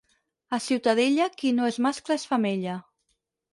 A Ciutadella qui no és mascle és femella.